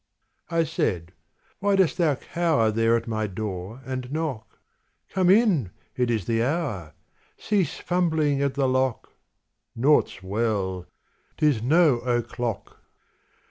I said, _Why dost thou cower There at my door and knock? Come in! It is the hour! Cease fumbling at the lock! Naught's well! 'Tis no o'clock!